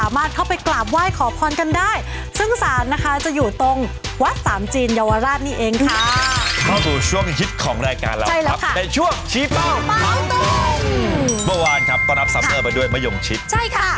เมื่อวานครับก็นับชื่อเป้าและซัมเฟอร์มาด้วยมะย่มชิต